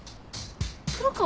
黒川？